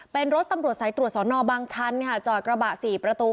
เป็นรถตำรวจสายตรวจสอนอบางชันค่ะจอดกระบะ๔ประตู